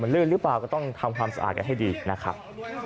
ลื่นหรือเปล่าก็ต้องทำความสะอาดกันให้ดีนะครับ